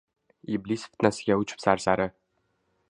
Iblis fitnasiga uchib sarsari